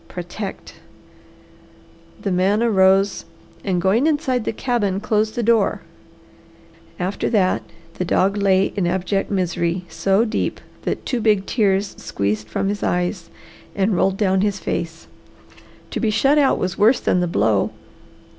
Protect!" The man arose and going inside the cabin closed the door. After that the dog lay in abject misery so deep that two big tears squeezed from his eyes and rolled down his face. To be shut out was worse than the blow.